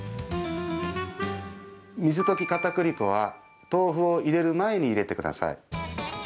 水溶きかたくり粉は豆腐を入れる前に入れてください。